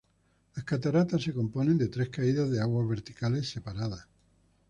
Las cataratas se componen de tres caídas de agua verticales separadas.